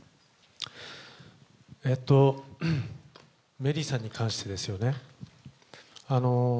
メリーさんに関してですよね。